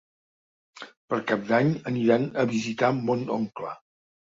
Per Cap d'Any aniran a visitar mon oncle.